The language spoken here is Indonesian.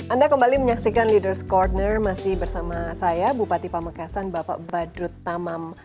anda kembali menyaksikan leaders' corner masih bersama saya bupati pamekasan bapak badut tamam